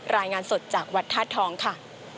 รายงานสดจากวัดธาตุทองค่ะ